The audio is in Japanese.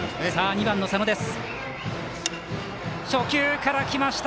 ２番佐野です。